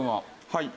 はい。